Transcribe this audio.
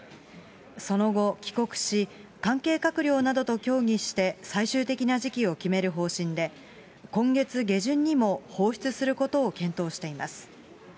その後、帰国し、関係閣僚などと協議して、最終的な時期を決める方針で、今月下旬にも放出することを検討しています。